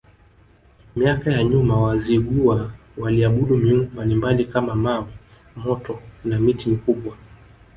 Miaka ya nyuma Wazigua waliabudu miungu mbalimbali kama mawe moto na miti mikubwa